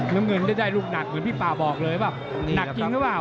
น้ำเงินจะได้ลูกหนักเหมือนพี่ป่าบอกเลยว่าหนักจริงหรือเปล่า